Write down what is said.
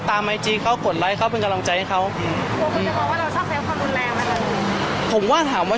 ตามไอจีเขากดไลค์เขาเป็นกำลังใจให้เขาผมว่าถามว่า